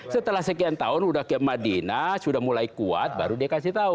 setelah sekian tahun sudah ke madinah sudah mulai kuat baru dia kasih tahu